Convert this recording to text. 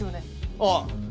ああ。